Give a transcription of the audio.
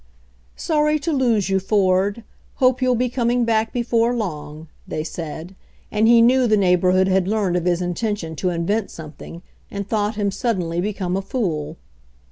"Sorry to lose you, Ford. Hope you'll be com ing back before long," they said, and he knew the neighborhood had learned of his intention to in vent something and thought him suddenly become a fool.